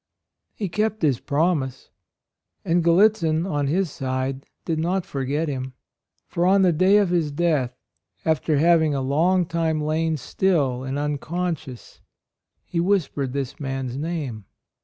He kept his promise. And Gallitzin, on his side, did not forget him; for on the day of his death, after having a long time lain still and un conscious, he whispered this man's name.